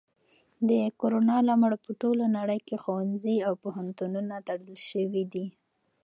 د کرونا له امله په ټوله نړۍ کې ښوونځي او پوهنتونونه تړل شوي دي.